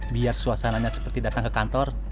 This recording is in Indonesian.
biar suasananya seperti datang ke kantor